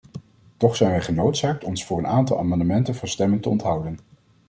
Toch zijn wij genoodzaakt ons voor een aantal amendementen van stemming te onthouden.